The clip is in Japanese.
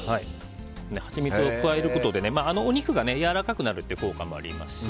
ハチミツを加えることでお肉がやわらかくなるという効果もありますし